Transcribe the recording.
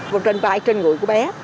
vùng trên vai trên ngụy của bé